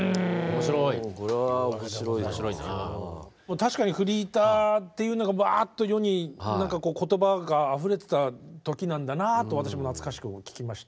確かにフリーターっていうのがばっと世に言葉があふれてた時なんだなと私も懐かしく聞きました。